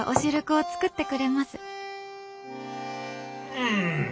うん！